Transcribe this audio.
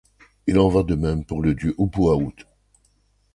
Il en va de même pour le dieu Oupouaout.